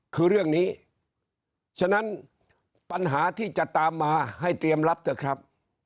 คือเรื่องนี้ฉะนั้นปัญหาที่จะตามมาให้เตรียมรับเถอะครับ